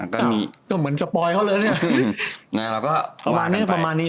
ก็เหมือนสปอยเขาเลยเนี่ย